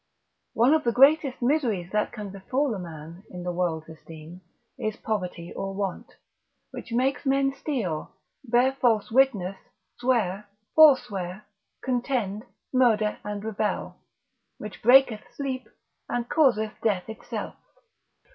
One of the greatest miseries that can befall a man, in the world's esteem, is poverty or want, which makes men steal, bear false witness, swear, forswear, contend, murder and rebel, which breaketh sleep, and causeth death itself.